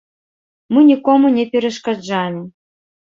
Мы нікому не перашкаджалі.